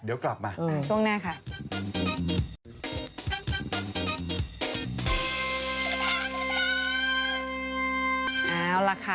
เดี๋ยวกลับมาช่วงหน้าค่ะ